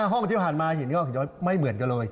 ๕ห้องเที่ยวหันมาเห็นก็ไม่เหมือนกันเลย